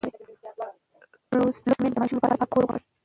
لوستې میندې د ماشوم لپاره پاک کور غواړي.